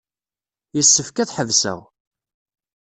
Yessefk ad ḥebseɣ.